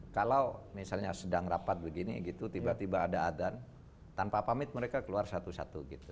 kalau misalnya sedang rapat begini gitu tiba tiba ada adan tanpa pamit mereka keluar satu satu gitu